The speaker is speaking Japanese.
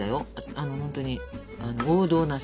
あのほんとに王道なさ冒険。